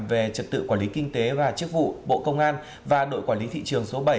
về trật tự quản lý kinh tế và chức vụ bộ công an và đội quản lý thị trường số bảy